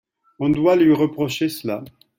on doit lui reprocher cela.